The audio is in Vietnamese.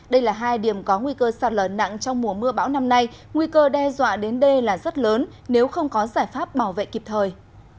đây là hai điểm có nguy cơ sạt lở nặng trong mùa mưa bão năm nay nguy cơ đe dọa đến đây là rất lớn nếu không có giải pháp bảo vệ kịp thời